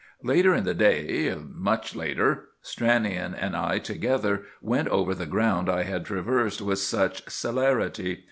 "Later in the day, much later, Stranion and I together went over the ground I had traversed with such celerity.